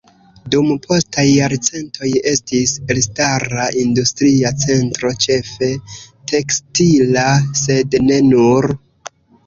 Dum postaj jarcentoj estis elstara industria centro ĉefe tekstila, sed ne nur.